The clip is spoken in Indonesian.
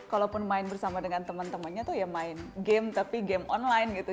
kalaupun main bersama dengan teman temannya tuh ya main game tapi game online gitu